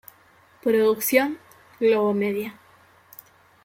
Producción: Globomedia.